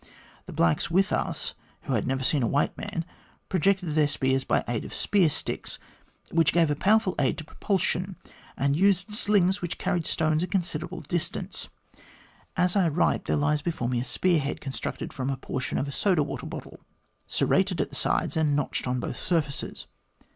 The blacks with us, who had never seen a white man, projected their spears by the aid of spear sticks, which gave a powerful aid to propulsion; and used slings which carried stones a consider able distance. As I write, there lies before me a spear head constructed from a portion of a soda water bottle, serrated at the sides, and notched on both surfaces.